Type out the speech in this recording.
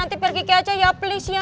nanti pergi keke aja ya please ya